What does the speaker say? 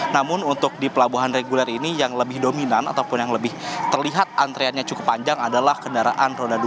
namun untuk di pelabuhan reguler ini yang lebih dominan ataupun yang lebih terlihat antreannya cukup panjang adalah kendaraan roda dua